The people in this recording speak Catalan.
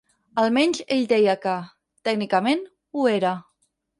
Almenys ell deia que, tècnicament, ho era.